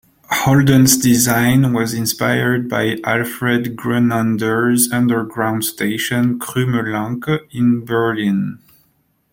Holden's design was inspired by Alfred Grenander's underground station "Krumme Lanke" in Berlin.